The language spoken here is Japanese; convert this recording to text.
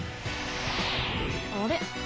あれ？